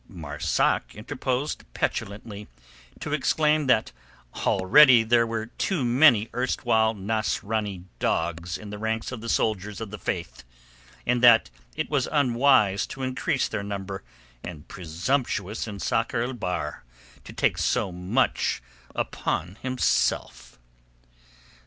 Marzak interposed petulantly, to exclaim that already were there too many erstwhile Nasrani dogs in the ranks of the soldiers of the Faith, and that it was unwise to increase their number and presumptuous in Sakr el Bahr to take so much upon himself.